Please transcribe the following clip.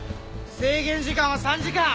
制限時間は３時間。